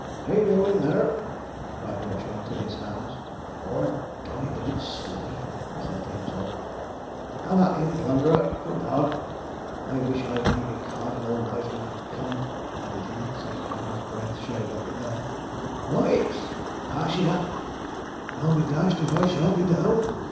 'He leu in there!' cried Watchorn to the hounds. ''Ord, dommee, but it's slippy,' said he to himself. 'Have at him. Plunderer, good dog! I wish I may be Cardinal Wiseman for comin',' added he, seeing how his breath showed on the air. 'Ho o i cks! p_a_sh 'im hup! I'll be dashed if I shan't be down!'